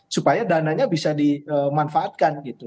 supaya dananya bisa dimanfaatkan gitu